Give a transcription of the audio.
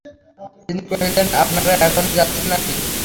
তিনি কহিলেন, আপনারা এখনই যাচ্ছেন নাকি?